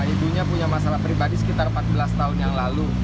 ibunya punya masalah pribadi sekitar empat belas tahun yang lalu